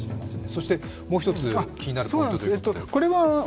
そして、もう一つ気になるポイントが。